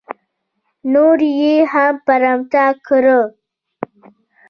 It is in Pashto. نور یې هم برمته کړه.